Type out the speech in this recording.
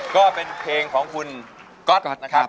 ก็เป็นเพลงของคุณก๊อตนะครับ